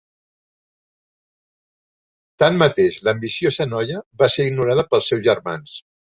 Tanmateix, l'ambiciosa noia va ser ignorada pels seus germans.